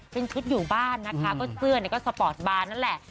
เป็นชุดอยู่บ้านนะคะก็เสื้อสปอร์ตบานนั่นแหละ